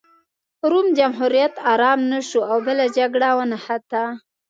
روم جمهوریت ارام نه شو او بله جګړه ونښته